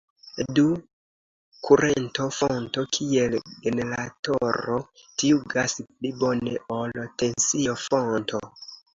Do kurento-fonto kiel generatoro taŭgas pli bone ol tensio-fonto.